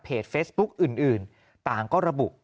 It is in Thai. เพจเฟสบุ๊คอื่นต่างก็ระบุ